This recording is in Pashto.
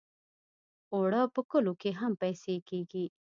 اوړه په کلو کې هم پېسې کېږي